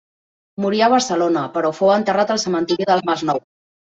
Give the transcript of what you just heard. Morí a Barcelona però fou enterrat al cementiri del Masnou.